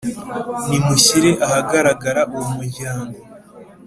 nimushyire ahagaragara uwo muryango,